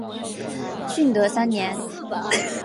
嗣德三年。